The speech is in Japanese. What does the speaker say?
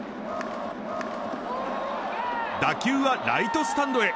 打球はライトスタンドへ。